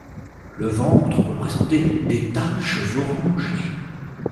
Le ventre peut présenter des taches orangées.